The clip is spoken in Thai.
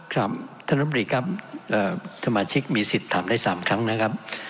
ครับท่านน้ำบรีครับสมาชิกมีสิทธิ์ถามได้๓ครั้งนะครับ